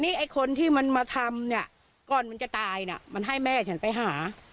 นี่ไอ้คนที่มันมาทำเนี่ยก่อนมันจะตายน่ะมันให้แม่ฉันไปหา